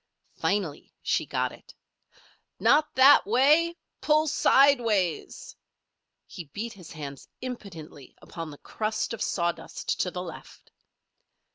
Finally she got it: "Not that way! Pull sideways!" He beat his hands impotently upon the crust of sawdust to the left.